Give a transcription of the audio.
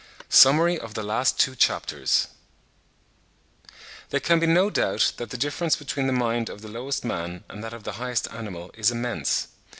A SUMMARY OF THE LAST TWO CHAPTERS. There can be no doubt that the difference between the mind of the lowest man and that of the highest animal is immense.